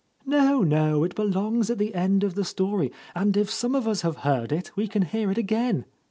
"No, no. It belongs at the end of the story, and if some of us have heard it, we can hear it again.